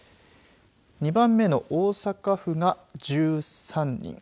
２番目の大阪府が１３人。